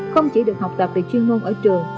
không chỉ được học tập về chuyên môn ở trường